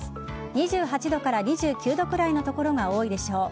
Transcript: ２８度から２９度くらいの所が多いでしょう。